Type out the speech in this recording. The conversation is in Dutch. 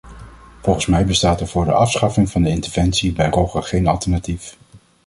Volgens mij bestaat er voor de afschaffing van de interventie bij rogge geen alternatief.